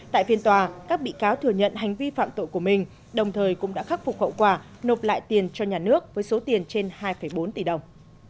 tại phiên tòa các bị cáo thừa nhận hành vi phạm tội của mình đồng thời cũng đã khắc phục hậu quả nộp lại tiền cho nhà nước với số tiền trên hai bốn tỷ đồng